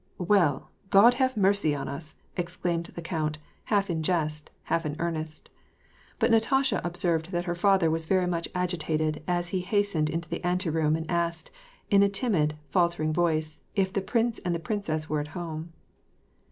"Well, God have mercy on us !" exclaimed the count, half in jest, half in earnest ; but Natasha observed that her father was very much agitated as he hastened into the ante room and asked, in a timid, faltering voice, if the prince and the princess were at home.